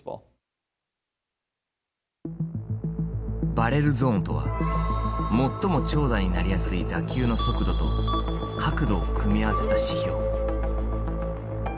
バレルゾーンとは最も長打になりやすい打球の速度と角度を組み合わせた指標。